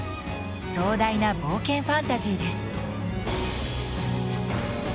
壮大な冒険ファンタジーです。